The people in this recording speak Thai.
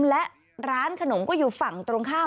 และร้านขนมก็อยู่ฝั่งตรงข้าม